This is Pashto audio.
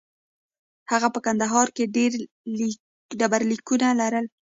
هغه په کندهار کې ډبرلیکونه لرل